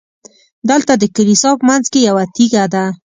دلته د کلیسا په منځ کې یوه تیږه ده.